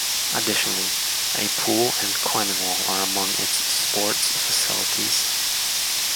Additionally, a pool and climbing wall are among its sports facilities.